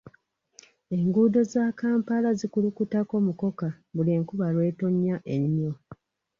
Enguudo za Kampala zikulukutako mukoka buli enkuba lw'etonnya ennyo.